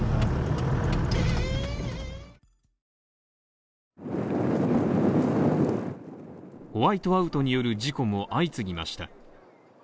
ホワイトアウトによる事故も相次ぎました。